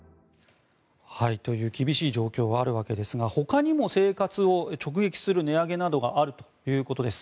という厳しい状況があるわけですが他にも生活を直撃する値上げなどがあるということです。